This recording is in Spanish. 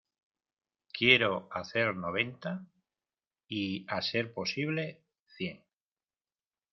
Quiero hacer noventa y, a ser posible, cien.